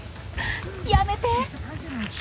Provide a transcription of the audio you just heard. やめて！